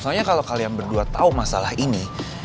soalnya kalo kalian berdua tau masalah ini